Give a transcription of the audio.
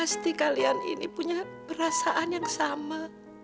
pasti kalian ini punya perasaan yang sama